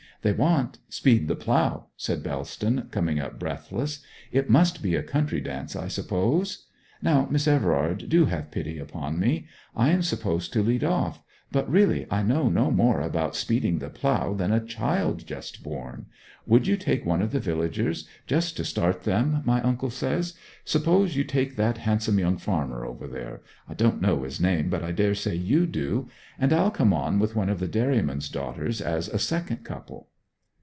'They want "Speed the Plough,"' said Bellston, coming up breathless. 'It must be a country dance, I suppose? Now, Miss Everard, do have pity upon me. I am supposed to lead off; but really I know no more about speeding the plough than a child just born! Would you take one of the villagers? just to start them, my uncle says. Suppose you take that handsome young farmer over there I don't know his name, but I dare say you do and I'll come on with one of the dairyman's daughters as a second couple.'